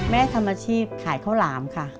แม่ทำอาชีพขายข้าวหลามค่ะ